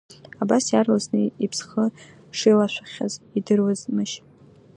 Абас, иаарласны иԥсхы шилашәахьаз идыруазмашь?